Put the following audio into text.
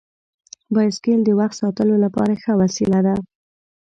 بایسکل د وخت ساتلو لپاره ښه وسیله ده.